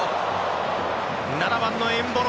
７番のエンボロ！